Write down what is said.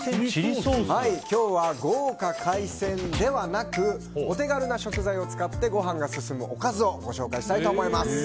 今日は、豪華海鮮ではなくお手軽な食材を使ってご飯が進むおかずをご紹介したいと思います。